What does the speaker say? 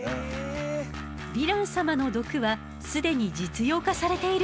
ヴィラン様の毒は既に実用化されている分野もあるの。